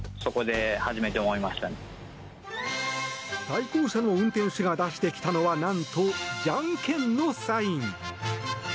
対向車の運転手が出してきたのはなんと、じゃんけんのサイン。